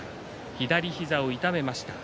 左膝を痛めました。